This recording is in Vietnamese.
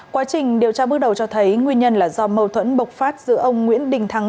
quá trình điều tra bước đầu cho thấy nguyên nhân là do mâu thuẫn bộc phát giữa ông nguyễn đình thắng